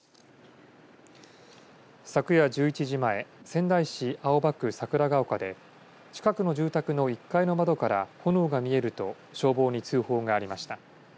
昨夜１１時前仙台市青葉区桜ヶ丘で近くの住宅の１階の窓から炎が見えると消防に通報がありました。